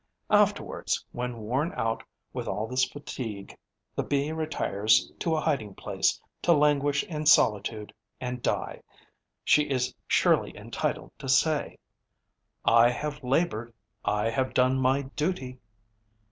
Afterwards, when, worn out with all this fatigue, the Bee retires to a hiding place to languish in solitude and die, she is surely entitled to say: 'I have laboured, I have done my duty!'